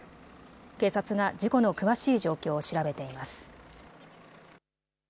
警察が事故の詳しい状況を調べています。